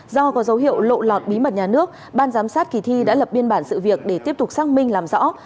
do có dấu hiệu lộ lọt bí mật nhà nước ban giám sát kỳ thi đã lập biên bản sự việc để tiếp tục xác minh làm rõ